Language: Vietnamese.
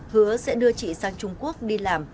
hứa sẽ đưa chị sang trung quốc đi làm